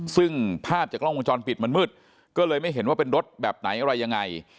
ซึ่งภาพจากกล้องวงจรปิดมันมืดก็เลยไม่เห็นว่าเป็นรถแบบไหนอะไรยังไง